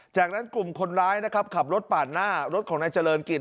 จากนั้นกลุ่มคนร้ายนะครับขับรถปาดหน้ารถของนายเจริญกิจ